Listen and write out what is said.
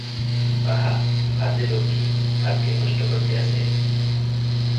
আহা, ভাত যে লক্ষ্মী, ভাত কি নষ্ট করতে আছে।